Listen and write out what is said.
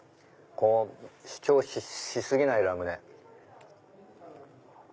主張し過ぎないラムネ。